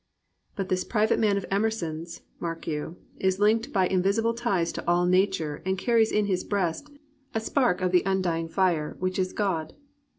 But this private man of Emerson's, mark you, is linked by invisible ties to all Nature and carries in his breast a spark of the undying fire which is of 341 COMPANIONABLE BOOKS God.